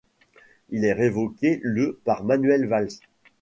Il est révoqué le par Manuel Valls.